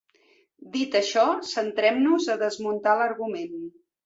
Dit això, centrem-nos a desmuntar l’argument.